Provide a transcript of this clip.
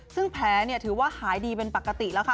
ซึ่งแผลถือว่าหายดีเป็นปกติแล้วค่ะ